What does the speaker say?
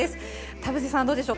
田臥さん、どうでしょう？